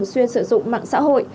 xuyên sử dụng mạng xã hội